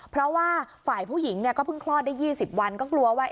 เพราะว่าฝ่ายผู้หญิงเนี่ยก็เพิ่งคลอดได้๒๐วันก็กลัวว่า